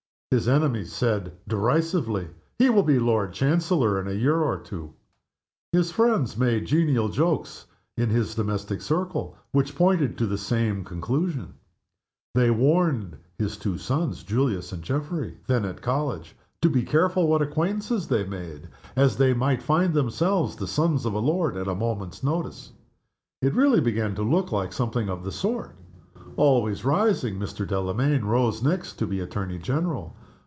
His enemies said, derisively, "He will be Lord Chancellor in a year or two!" His friends made genial jokes in his domestic circle, which pointed to the same conclusion. They warned his two sons, Julius and Geoffrey (then at college), to be careful what acquaintances they made, as they might find themselves the sons of a lord at a moment's notice. It really began to look like something of the sort. Always rising, Mr. Delamayn rose next to be Attorney General.